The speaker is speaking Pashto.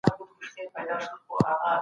کتابونه په المارۍ کي په ترتیب سره کيږدئ.